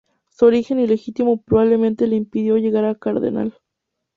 Su origen ilegítimo probablemente le impidió llegar a cardenal.